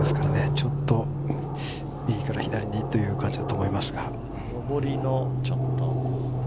ちょっと右から左にという感じだと思いますが。